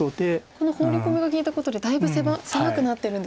このホウリコミが利いたことでだいぶ狭くなってるんですね。